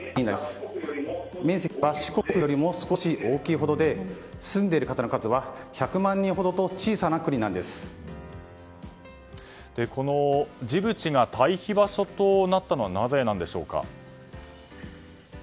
面積は四国よりも少し大きいほどで住んでいる方の数は１００万人ほどとこのジブチが退避場所となったのはなぜなんでしょうか？